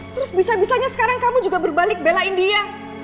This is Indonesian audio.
terus bisa bisanya sekarang kamu juga berbalik belain dia